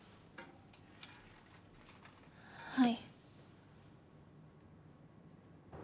はい。